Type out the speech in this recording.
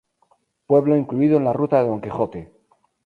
Pueblo incluido en la ruta de Don Quijote.